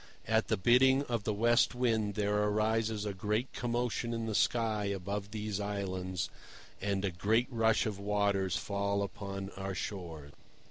At the bidding of the West Wind there arises a great commotion in the sky above these Islands, and a great rush of waters falls upon our shores.